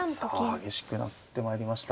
さあ激しくなってまいりました。